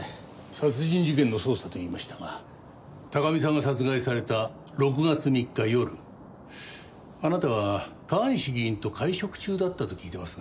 殺人事件の捜査と言いましたが高見さんが殺害された６月３日夜あなたは川西議員と会食中だったと聞いてますが。